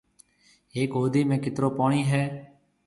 هيڪ هودي ۾ ڪيترو پوڻِي هيَ۔